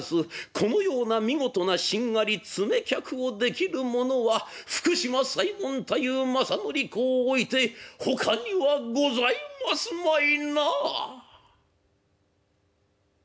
このような見事なしんがり詰め客をできる者は福島左衛門大夫正則公をおいてほかにはございますまいなあ」。